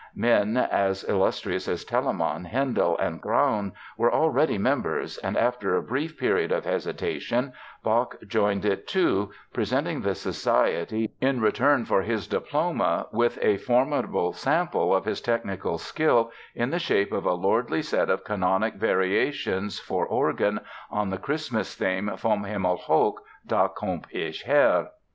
Men as illustrious as Telemann, Handel and Graun were already members and after a brief period of hesitation Bach joined it, too, presenting the Society in return for his diploma with a formidable sample of his technical skill in the shape of a lordly set of canonic variations for organ on the Christmas hymn Vom Himmel hoch, da komm ich her.